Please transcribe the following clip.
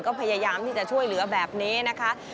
ก็พยายามที่จะช่วยเหลือแบบนี้นะคะ